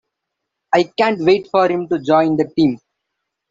I can't wait for him to join the team.